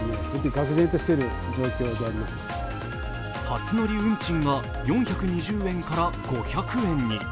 初乗り運賃が４２０円から５００円に。